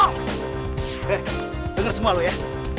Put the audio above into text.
hei denger semua lu ya